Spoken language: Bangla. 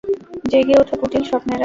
জেগে ওঠো কুটিল স্বপ্নেরা।